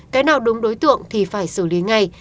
cái nào đúng đối tượng thì phải xử lý ngay